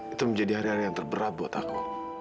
itu menjadi hari hari yang terberat buat aku